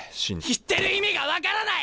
言ってる意味が分からない！